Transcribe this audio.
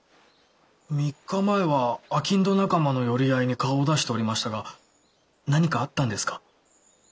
３日前は商人仲間の寄り合いに顔を出しておりましたが何かあったんですか？